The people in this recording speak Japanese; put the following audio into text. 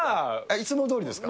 いつもどおりですか？